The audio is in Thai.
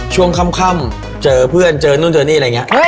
ช่วงค่ำเจอเพื่อนเจอนู่นเจอนี่อะไรอย่างนี้